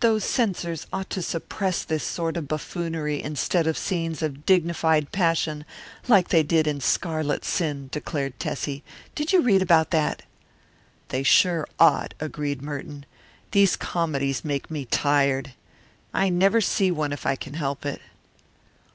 "Those censors ought to suppress this sort of buffoonery instead of scenes of dignified passion like they did in Scarlet Sin," declared Tessie. "Did you read about that?" "They sure ought," agreed Merton. "These comedies make me tired. I never see one if I can help it."